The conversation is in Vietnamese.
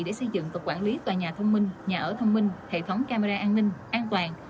để xây dựng và quản lý tòa nhà thông minh nhà ở thông minh hệ thống camera an ninh an toàn